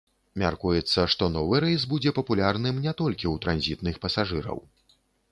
Мяркуецца, што новы рэйс будзе папулярным не толькі ў транзітных пасажыраў.